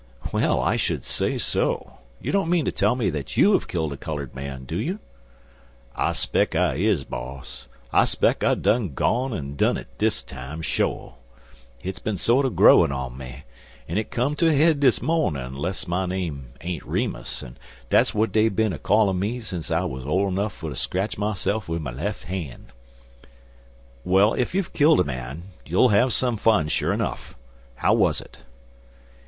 "Well, I should say so. You don't mean to tell me that you have killed a colored man, do you?" "I speck I is, boss. I speck I done gone an' done it dis time, sho.' Hit's bin sorter growin' on me, an' it come ter a head dis mawnin', 'less my name ain't Remus, an' dat's w'at dey bin er callin' me sence I wuz ole er 'nuff fer ter scratch myse'f wid my lef' han'." "Well, if you've killed a man, you'll have some fun, sure enough. How was it?"